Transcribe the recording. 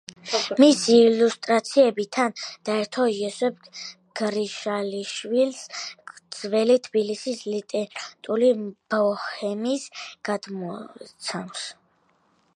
მისი ილუსტრაციები თან დაერთო იოსებ გრიშაშვილის „ძველი თბილისის ლიტერატურული ბოჰემის“ გამოცემას.